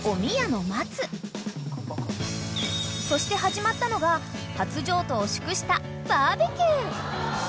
［そして始まったのが初譲渡を祝したバーベキュー］